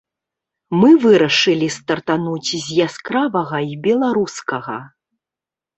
Мы вырашылі стартануць з яскравага і беларускага.